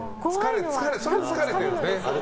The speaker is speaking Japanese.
それは疲れてるんですね。